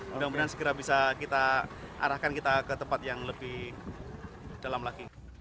mudah mudahan segera bisa kita arahkan kita ke tempat yang lebih dalam lagi